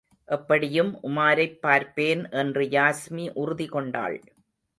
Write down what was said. எப்படியும் உமாரைப் பார்ப்பேன், என்று யாஸ்மி உறுதி கொண்டாள்.